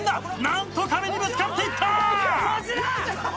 何と壁にぶつかっていった！